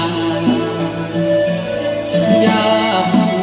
สวัสดีทุกคน